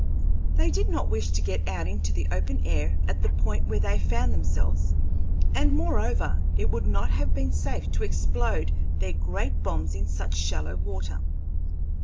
They did not wish to get out into the open air at the point where they found themselves; and, moreover, it would not have been safe to explode their great bombs in such shallow water.